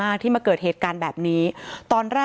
เป็นวันที่๑๕ธนวาคมแต่คุณผู้ชมค่ะกลายเป็นวันที่๑๕ธนวาคม